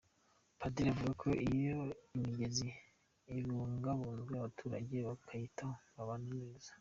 Padiri avuga ko iyo imigezi ibungabunzwe abaturage bakayitaho babana neza.